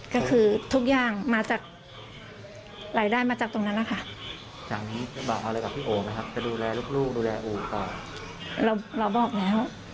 ก็คือทุกอย่างหลายด้านมาจากตรงนั้นนะคะ